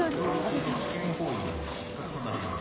「危険行為により失格となります」